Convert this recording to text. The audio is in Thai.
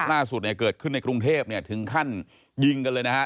ล่าสุดเนี่ยเกิดขึ้นในกรุงเทพเนี่ยถึงขั้นยิงกันเลยนะฮะ